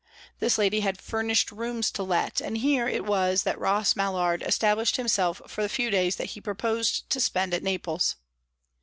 This lady had furnished rooms to let, and here it was that Ross Mallard established himself for the few days that he proposed to spend at Naples.